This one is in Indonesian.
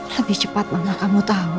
lebih cepat mama kamu tau